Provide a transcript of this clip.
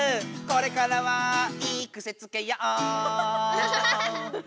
「これからはいい癖つけよう」